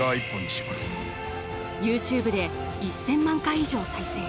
ＹｏｕＴｕｂｅで１０００万回以上再生。